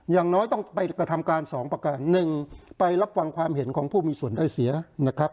อย่างน้อยต้องไปกระทำการ๒ประการ๑ไปรับฟังความเห็นของผู้มีส่วนได้เสียนะครับ